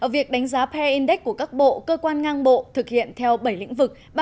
việc đánh giá pair index của các bộ cơ quan ngang bộ thực hiện theo bảy lĩnh vực